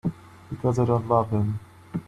Because I don't love him.